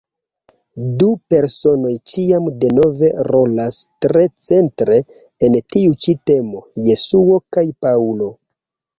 Du personoj ĉiam denove rolas tre centre en tiu ĉi temo: Jesuo kaj Paŭlo.